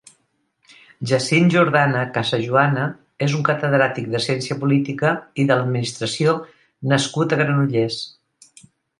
Jacint Jordana Casajuana és un catedràtic de Ciència Política i de l'Administració nascut a Granollers.